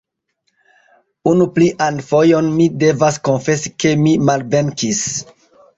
Unu plian fojon mi devas konfesi ke mi malvenkis.